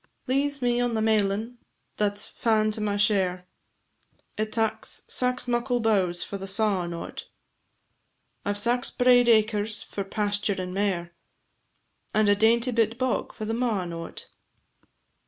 Leeze me on the mailin that 's fa'n to my share, It taks sax muckle bowes for the sawin' o't; I 've sax braid acres for pasture, and mair, And a dainty bit bog for the mawin' o't.